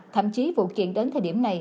thậm chí vụ kiện đến thời điểm này